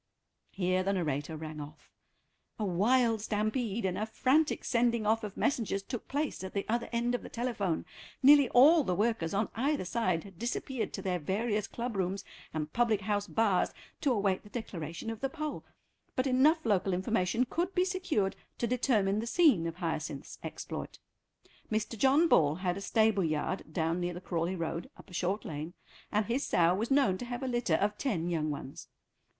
Here the narrator rang off. A wild stampede and a frantic sending off of messengers took place at the other end of the telephone. Nearly all the workers on either side had disappeared to their various club rooms and public house bars to await the declaration of the poll, but enough local information could be secured to determine the scene of Hyacinth's exploit. Mr. John Ball had a stable yard down near the Crawleigh Road, up a short lane, and his sow was known to have a litter of ten young ones.